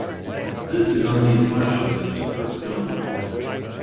This is only a partial list of her film work.